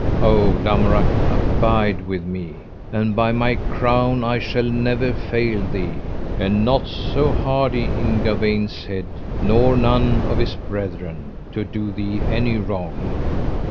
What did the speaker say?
O Lamorak, abide with me, and by my crown I shall never fail thee: and not so hardy in Gawaine's head, nor none of his brethren, to do thee any wrong.